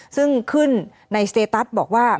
ซึ่งขึ้นในสเตตัสบอกว่า